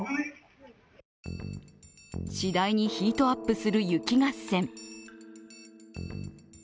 次第にヒートアップする雪合戦。